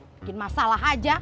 bikin masalah aja